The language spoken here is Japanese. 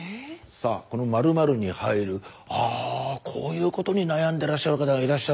さあこの○○に入るはぁこういうことに悩んでらっしゃる方がいらっしゃるんだ。